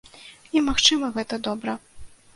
І, магчыма, гэта добра.